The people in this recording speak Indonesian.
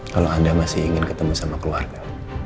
kalau anda masih ingin ketemu sama keluarga